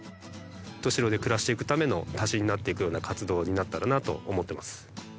石徹白で暮らしていくための足しになっていくような活動になったらなと思ってます。